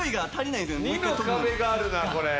２の壁があるなこれ。